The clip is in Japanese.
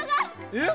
えっ？